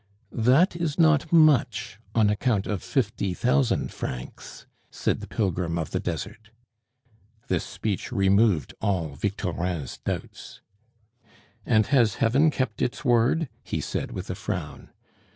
"That is not much on account of fifty thousand francs," said the pilgrim of the desert. This speech removed all Victorin's doubts. "And has Heaven kept its word?" he said, with a frown.